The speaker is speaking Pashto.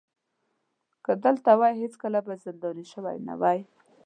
که دلته وای هېڅکله به زنداني شوی نه وای.